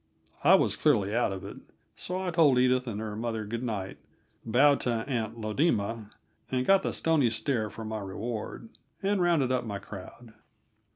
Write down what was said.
I was clearly out of it, so I told Edith and her mother good night, bowed to "Aunt Lodema" and got the stony stare for my reward, and rounded up my crowd.